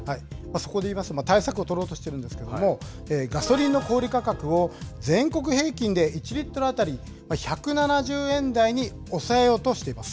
そこでいいますと、対策を取ろうとしているんですけれども、ガソリンの小売り価格を全国平均で１リットル当たり１７０円台に抑えようとしています。